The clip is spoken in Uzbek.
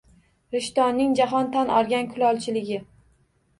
Rishtonning jahon tan olgan kulolchiligi